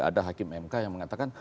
ada hakim mk yang mengatakan